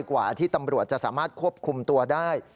กว่าที่ตำรวจจะสามารถควบคุมตัวได้